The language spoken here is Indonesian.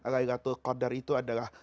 laylatul qadar itu adalah